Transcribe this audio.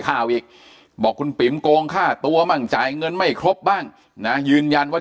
ข่าวอีกบอกคุณปิ๋มโกงฆ่าตัวบ้างจ่ายเงินไม่ครบบ้างนะยืนยันว่า